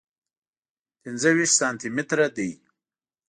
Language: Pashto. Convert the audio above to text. پنځه ویشت سانتي متره دی.